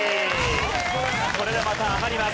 これでまた上がります。